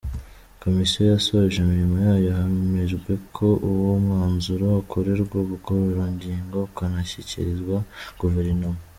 Komisiyo yasoje imirimo yayo hemejwe ko uwo mwanzuro ukorerwa ubugororangingo ukanashyikirizwa Guverinoma.